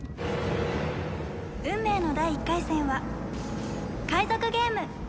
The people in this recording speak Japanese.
運命の第１回戦は海賊ゲーム。